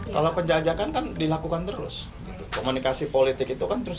kalau penjajakan kan dilakukan terus komunikasi politik itu kan terus